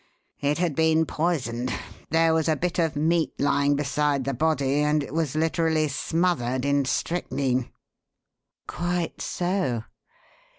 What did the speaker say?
It had been poisoned. There was a bit of meat lying beside the body and it was literally smothered in strychnine." "Quite so.